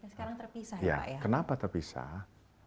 sekarang terpisah ya pak ya ya kenapa terpisah